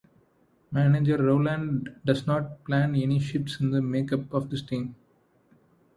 Manager Rowland does not plan any shifts in the makeup of his team.